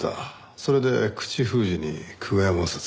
それで口封じに久我山を殺害した。